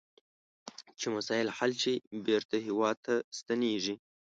چې مسایل حل شي بیرته هیواد ته ستنیږي.